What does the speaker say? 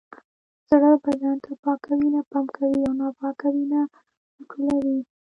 زړه بدن ته پاکه وینه پمپ کوي او ناپاکه وینه راټولوي